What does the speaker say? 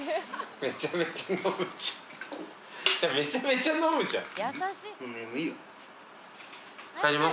めちゃめちゃ飲むじゃん。